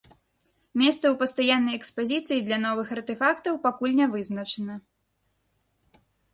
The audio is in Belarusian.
Месца ў пастаяннай экспазіцыі для новых артэфактаў пакуль не вызначана.